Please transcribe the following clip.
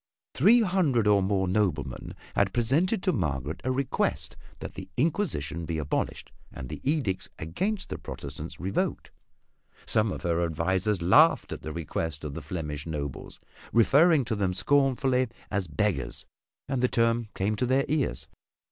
Three hundred or more noblemen had presented to Margaret a request that the Inquisition be abolished and the edicts against the Protestants revoked. Some of her advisors laughed at the request of the Flemish nobles, referring to them scornfully as "beggars," and the term came to their ears.